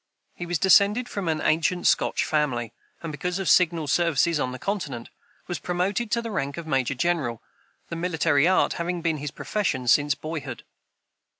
He was descended from an ancient Scotch family, and, because of signal services on the continent, was promoted to the rank of major general, the military art having been his profession since boyhood.